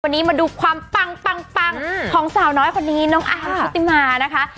วันนี้มาดูความปังปังของสาวน้อยคนนี้น้องอาร์มชุติมานะคะ